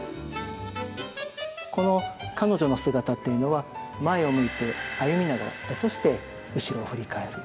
この彼女の姿っていうのは前を向いて歩みながらそして後ろを振り返る。